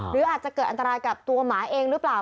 หรืออาจจะเกิดอันตรายกับตัวหมาเองหรือเปล่า